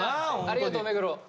ありがとう目黒。